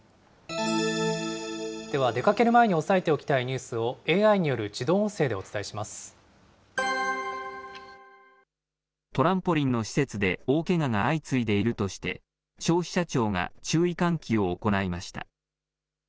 では、出かける前に押さえておきたいニュースをＡＩによる自動音声でおトランポリンの施設で大けがが相次いでいるとして、消費者庁が注意喚起を行いました。